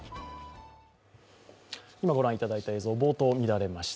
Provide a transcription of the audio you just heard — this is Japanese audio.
今ご覧いただいた映像、冒頭乱れました。